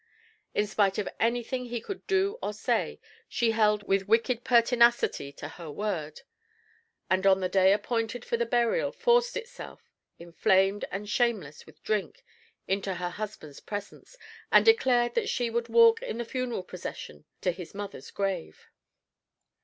In spite of any thing he could do or say, she held with wicked pertinacity to her word, and on the day appointed for the burial forced herself inflamed and shameless with drink into her husband's presence, and declared that she would walk in the funeral procession to his mother's grave.